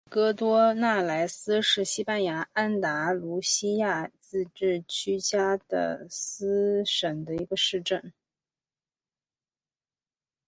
阿尔戈多纳莱斯是西班牙安达卢西亚自治区加的斯省的一个市镇。